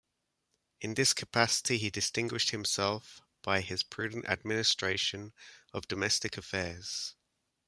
In this capacity he distinguished himself by his prudent administration of domestic affairs.